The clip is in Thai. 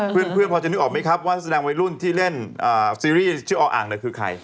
เพื่อนพอจะนึกออกไหมครับว่าแสดงวัยรุ่นที่เล่นซีรีส์ชื่อออ่างคือใคร